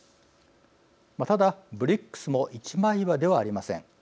ただＢＲＩＣＳも一枚岩ではありません。